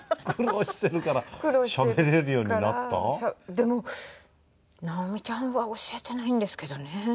でも「直美ちゃん」は教えてないんですけどね。